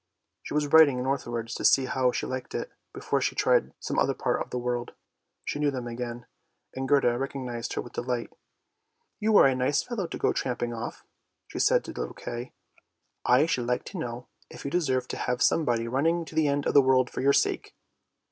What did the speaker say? She was riding northwards to see how she liked it before she tried some other part of the world. She knew them again, and Gerda recognised her with delight. ' You are a nice fellow to go tramping off! " she said to THE SNOW QUEEN 215 little Kay. " I should like to know if you deserve to have some body running to the end of the world for your sake!